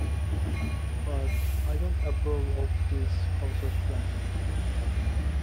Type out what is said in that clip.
But I don’t approve of this concert plan.